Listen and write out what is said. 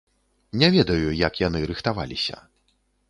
Не ведаю, як яны рыхтаваліся.